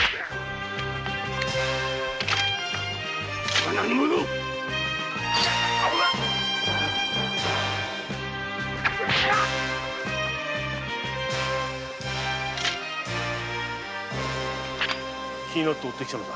貴様何者気になって追ってきたのだ。